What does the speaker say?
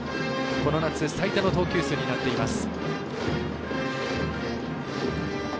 この夏最多の投球数になっています。